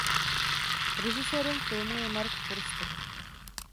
Režisérem filmu je Marc Forster.